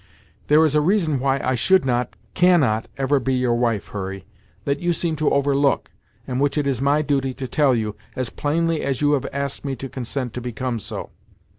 "There is a reason why I should not, cannot, ever be your wife, Hurry, that you seem to overlook, and which it is my duty now to tell you, as plainly as you have asked me to consent to become so.